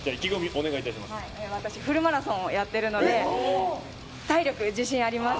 私フルマラソンやっているので体力に自信があります。